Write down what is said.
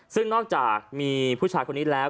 ซึ่งนอกจากมีผู้ชายคนนี้แล้ว